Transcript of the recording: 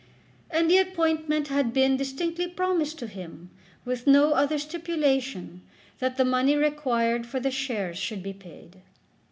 And the appointment had been distinctly promised to him with no other stipulation than that the money required for the shares should be paid.